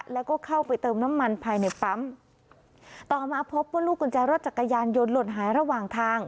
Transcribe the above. แล้วก็เข้าไปเติมน้ำมันภายในปั๊มต่อมาพบว่าลูกกุญแจรถจักรยานยนต์หล่นหายระหว่างทาง